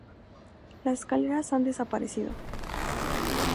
Las escaleras han desaparecido.